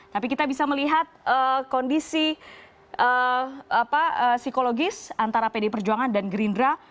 tapi kita bisa melihat kondisi psikologis antara pdi perjuangan dan gerindra